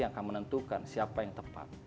yang akan menentukan siapa yang tepat